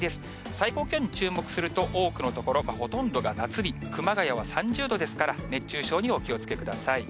最高気温に注目すると、多くの所、ほとんどが夏日、熊谷は３０度ですから、熱中症にお気をつけください。